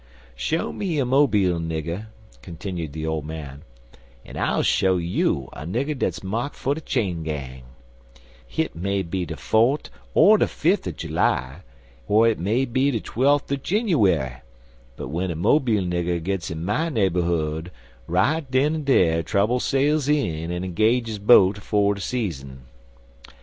Show me a Mobile nigger," continued the old man, an I'll show you a nigger dat's marked for de chain gang. Hit may be de fote er de fif' er July, er hit may be de twelf' er Jinawerry, but w'en a Mobile nigger gits in my naberhood right den an' dar trubble sails in an' 'gages bode fer de season.